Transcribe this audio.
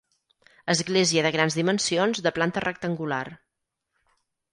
Església de grans dimensions de planta rectangular.